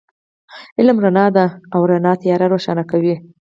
علم رڼا ده، او رڼا تیار روښانه کوي